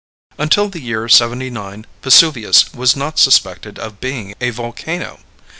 Until the year 79 Vesuvius was not suspected of being a volcano.